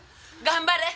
頑張れ！